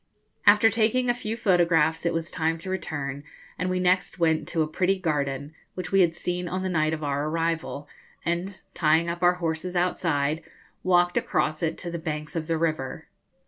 After taking a few photographs it was time to return; and we next went to a pretty garden, which we had seen on the night of our arrival, and, tying up our horses outside, walked across it to the banks of the river.